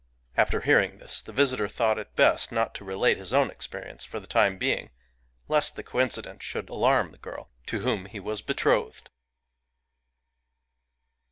..." After hear ing this, the visitor thought it best not to relate his own experience for the time being, lest the coincidence should alarm the girl, to whom he was betrothed.